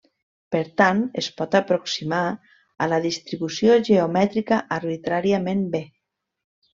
Per tant, es pot aproximar a la distribució geomètrica arbitràriament bé.